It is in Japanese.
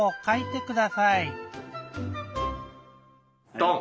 ドン！